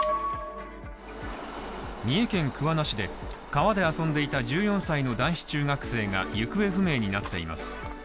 三重県桑名市で川で遊んでいた１４歳の男子中学生が行方不明になっています